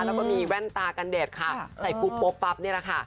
แล้วก็มีแว่นตากันแดดค่ะใส่ปุ๊บปุ๊บปั๊บเนี่ยนะคะ